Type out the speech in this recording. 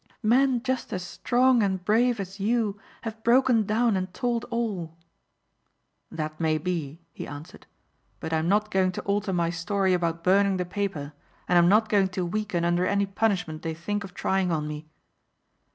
"Men just as strong and brave as you have broken down and told all." "That may be," he answered, "but I am not going to alter my story about burning the paper and I am not going to weaken under any punishment they think of trying on me."